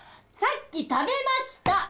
さっき食べました！